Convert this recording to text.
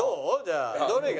どれが。